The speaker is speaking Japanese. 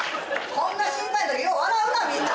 こんな心配なときよう笑うなみんな。